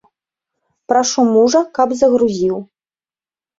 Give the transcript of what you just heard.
Прашу мужа, каб загрузіў.